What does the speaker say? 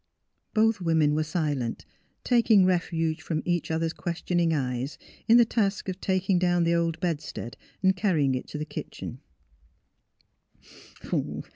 '' Both women were silent, taking refuge from each other's questioning eyes in the task of taking down the old bedstead and carrying it to the kitchen.